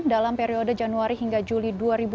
dalam periode januari hingga juli dua ribu dua puluh